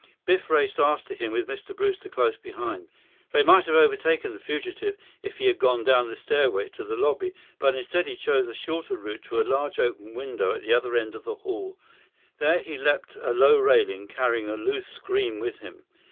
Biff raced after him, with Mr. Brewster close behind. They might have overtaken the fugitive if he had gone down the stairway to the lobby, but instead he chose a shorter route to a large open window at the other end of the hall. There, he leaped a low railing, carrying a loose screen with him.